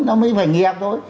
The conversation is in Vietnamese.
nó mới phải nghiệp thôi